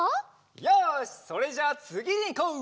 よしそれじゃあつぎにいこう！